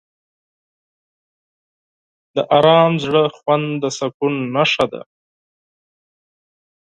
د آرام زړه خوند د سکون نښه ده.